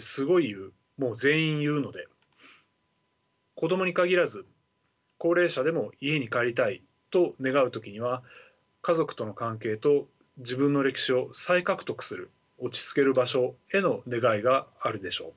子どもに限らず高齢者でも「家に帰りたい」と願う時には家族との関係と自分の歴史を再獲得する落ち着ける場所への願いがあるでしょう。